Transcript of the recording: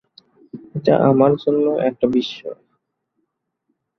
এটা আমার জন্য একটা বিশ্ময়।